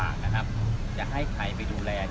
ไม่ใช่นี่คือบ้านของคนที่เคยดื่มอยู่หรือเปล่า